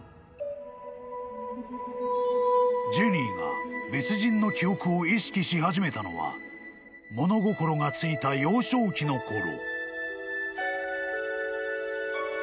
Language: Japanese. ［ジェニーが別人の記憶を意識し始めたのは物心がついた幼少期の頃］